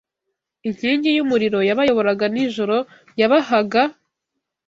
Inkingi y’umuriro yabayoboraga nijoro yabahaga